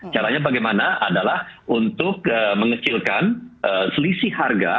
caranya bagaimana adalah untuk mengecilkan selisih harga